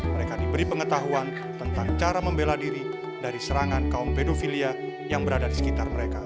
mereka diberi pengetahuan tentang cara membela diri dari serangan kaum pedofilia yang berada di sekitar mereka